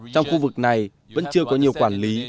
trong khu vực này vẫn chưa có nhiều quản lý